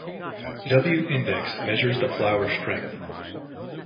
W index measures the flour strength.